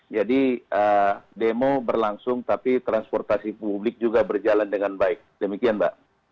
demo berlangsung tapi transportasi publik juga berjalan dengan baik demikian mbak